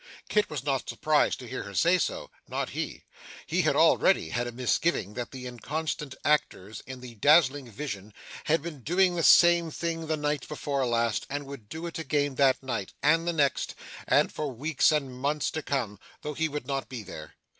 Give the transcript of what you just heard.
Kit was not surprised to hear her say so not he. He had already had a misgiving that the inconstant actors in that dazzling vision had been doing the same thing the night before last, and would do it again that night, and the next, and for weeks and months to come, though he would not be there.